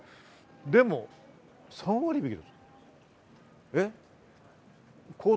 でも、３割引き。